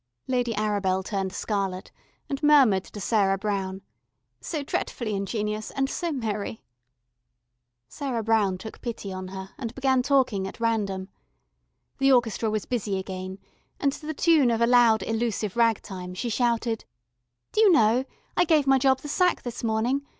Lady Arabel turned scarlet, and murmured to Sarah Brown: "So dretfully ingenious, and so merry." Sarah Brown took pity on her, and began talking at random. The orchestra was busy again, and to the tune of a loud elusive rag time, she shouted: "Do you know, I gave my job the sack this morning.